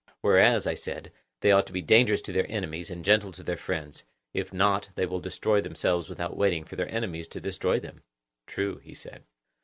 Whereas, I said, they ought to be dangerous to their enemies, and gentle to their friends; if not, they will destroy themselves without waiting for their enemies to destroy them. True, he said.